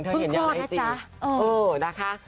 เธอเห็นยังไงจริง